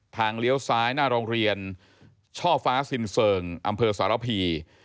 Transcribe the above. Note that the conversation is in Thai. เลี้ยวซ้ายหน้าโรงเรียนช่อฟ้าสินเซิงอำเภอสารพี